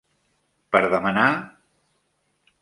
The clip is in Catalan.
Per demanar!?